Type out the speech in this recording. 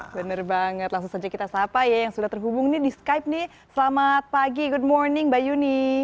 bener banget langsung saja kita sapa ya yang sudah terhubung nih di skype nih selamat pagi good morning mbak yuni